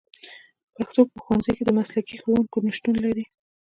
پښتو په ښوونځیو کې د مسلکي ښوونکو نشتون لري